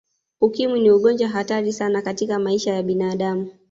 Ukimwi ni ugonjwa hatari sana katika maisha ya binadamu